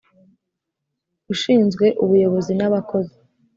ushinzwe Ubuyobozi n Abakozi